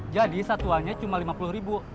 jadi satuannya cuma rp lima puluh